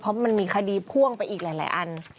เพราะมันมีคดีพ่วงไปอีกหลายอัน